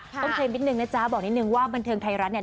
เคลมนิดนึงนะจ๊ะบอกนิดนึงว่าบันเทิงไทยรัฐเนี่ย